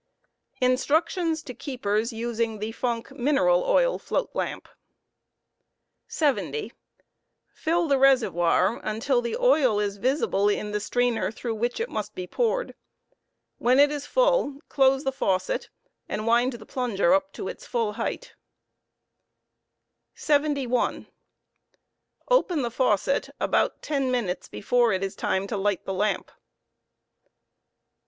INSTRUCTIONS TO KEEPERS USING THE FUNOK MINERAL OIL FLOAT LAMP. 70. Fill the reservoir until the oil is visible in the strainer through which it must be poured. When it is full, close the faucet and wind the plunger up to ite full height voir * 71. Open the faucet about ten minutes before it is time to light the lamp. 72.